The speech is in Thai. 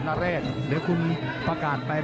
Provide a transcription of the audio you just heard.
กระหน่าที่น้ำเงินก็มีเสียเอ็นจากอุบลนะครับ